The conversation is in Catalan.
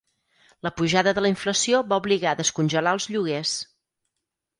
La pujada de la inflació va obligar a descongelar els lloguers.